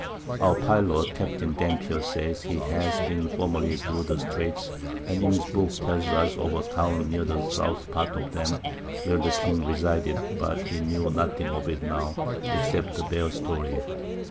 Our Pilot, Capt. Dampier, says he has been formerly thro' the Streights, and in his Book tells us of a Town near the South part of 'em, where the King resided, but he knew nothing of it now, except the bare Story.